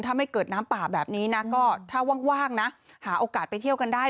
ถ้าไม่เกิดน้ำป่าแบบนี้นะก็ถ้าว่างนะหาโอกาสไปเที่ยวกันได้